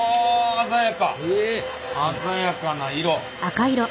鮮やかな色！